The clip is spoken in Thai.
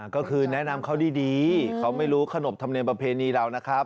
ก็คือแนะนำเขาดีเขาไม่รู้ขนบธรรมเนียมประเพณีเรานะครับ